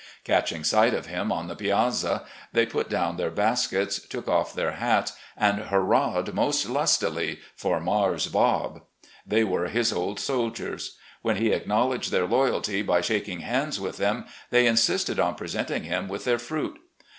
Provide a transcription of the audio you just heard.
Catching sight of him on the piazza, they put down their baskets, took off their hats, and hurrahed most lustily for "Marse Bob." They were his old soldiers. When he acknowl MOUNTAIN RIDES *77 edged their loyalty by shaking hands with them, they insisted on presenting him with their fruit.